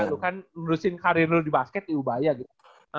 lu kan merusin karir lu di basket di ubaya gitu